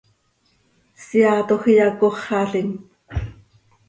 Seaatoj iyacóxalim.